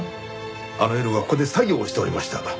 あの夜はここで作業をしておりました。